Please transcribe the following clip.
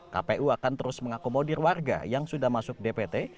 kpu akan terus mengakomodir warga yang sudah masuk dpt